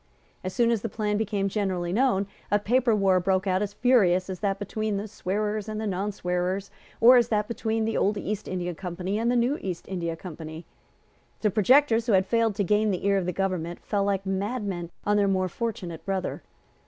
As soon as the plan became generally known, a paper war broke out as furious as that between the swearers and the nonswearers, or as that between the Old East India Company and the New East India Company. The projectors who had failed to gain the ear of the government fell like madmen on their more fortunate brother.